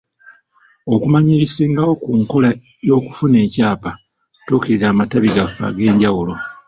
Okumanya ebisingawo ku nkola y'okufuna ekyapa, tuukirira amatabi gaffe ag'enjawulo.